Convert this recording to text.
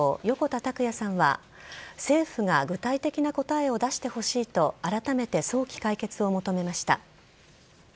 横田拓也さんは政府が具体的な答えを出してほしいとあらためて早期解決を求めました。